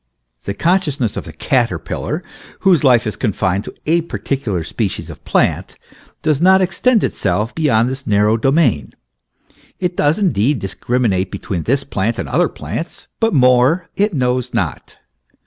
The conscious ness of the caterpillar, whose life is confined to a particular species of plant, does not extend itself beyond this narrow domain. It does, indeed, discriminate between this plant and other plants, but more it knows not.